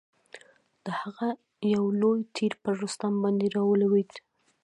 د هغه یو لوی تیر پر رستم باندي را ولوېد.